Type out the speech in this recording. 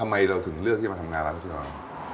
ทำไมเราถึงเลือกที่มาทำงานร้านนี้ก็เป็นอะไร